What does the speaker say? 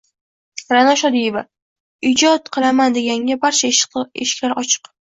Ra’no Shodiyeva: «Ijod qilaman, deganga barcha eshiklar ochiq»